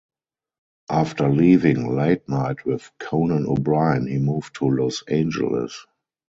After leaving "Late Night with Conan O'Brien", he moved to Los Angeles.